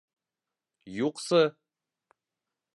Юҡсы!